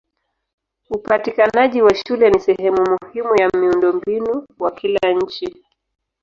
Upatikanaji wa shule ni sehemu muhimu ya miundombinu wa kila nchi.